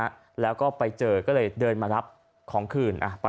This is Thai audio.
มาวงขึ้นแล้วขนของทุกอย่างมองหมดด้วยกระเป๋ากระเป๋า